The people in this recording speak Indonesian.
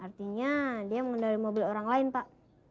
ya artinya dia mengendarai mobil orang lain pak